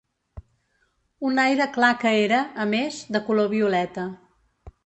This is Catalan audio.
Un aire clar que era, a més, de color violeta.